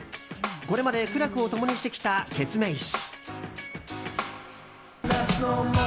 これまで苦楽を共にしてきたケツメイシ。